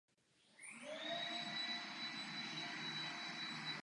Zde se tedy jedná o zelený řez.